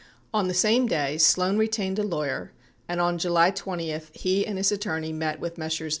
85 On the same day, Sloan retained a lawyer and on July 20 he and his attorney met with Messrs.